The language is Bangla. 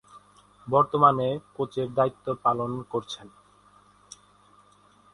বর্তমানে কোচের দায়িত্ব পালন করছেন।